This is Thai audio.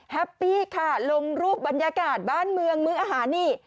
แฮปปี้ค่ะลงรูปบรรยากาศบ้านเมืองมื้ออาหารนี่